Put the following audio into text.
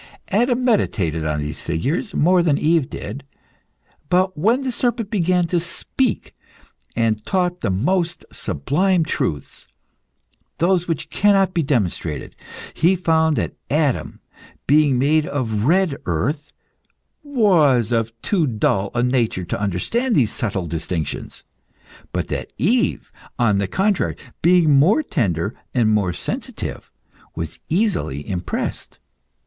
Adam meditated on these figures more than Eve did. But when the serpent began to speak, and taught the most sublime truths those which cannot be demonstrated he found that Adam being made of red earth, was of too dull a nature to understand these subtle distinctions, but that Eve, on the contrary, being more tender and more sensitive, was easily impressed.